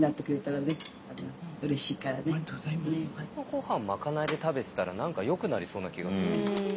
ごはん賄いで食べてたら何かよくなりそうな気がする。